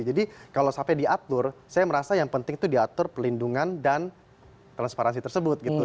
jadi kalau sampai diatur saya merasa yang penting itu diatur perlindungan dan transparansi tersebut gitu